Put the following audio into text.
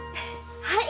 はい。